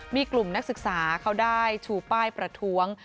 มีกลุ่มนักศึกษาเขาได้ชูป้ายประท้วง